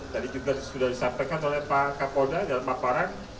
tadi juga sudah disampaikan oleh pak kapolda dan pak parang